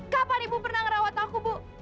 kapan ibu pernah ngerawat aku bu